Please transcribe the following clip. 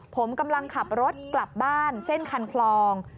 ผมกำลังขับรถกลับบ้านเส้นคันคลอง